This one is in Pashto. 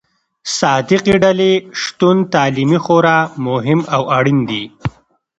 صادقې ډلې شتون تعلیمي خورا مهم او اړين دي.